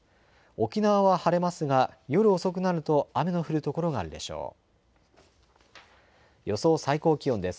沖縄は晴れますが夜遅くなると雨の降る所があるでしょう。